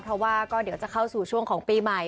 เพราะว่าก็เดี๋ยวจะเข้าสู่ช่วงของปีใหม่